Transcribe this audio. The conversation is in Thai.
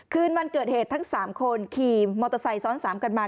คืนวันเกิดเหตุทั้ง๓คนขี่มอเตอร์ไซค์ซ้อน๓กันมา